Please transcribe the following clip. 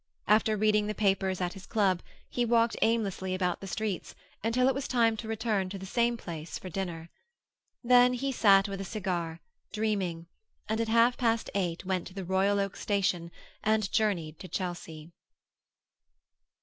After reading the papers at his club, he walked aimlessly about the streets until it was time to return to the same place for dinner. Then he sat with a cigar, dreaming, and at half past eight went to the Royal Oak Station, and journeyed to Chelsea.